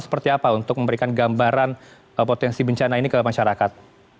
seperti apa untuk memberikan gambaran potensi bencana ini ke masyarakat